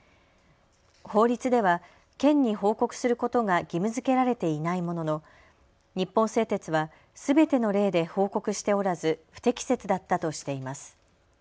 法律では県に報告することが義務づけられていないものの日本製鉄はすべての例で報告しておらず不適切だったとしています。